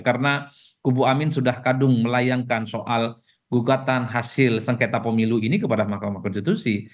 karena kubu amin sudah kadung melayangkan soal gugatan hasil sengketa pemilu ini kepada mahkamah konstitusi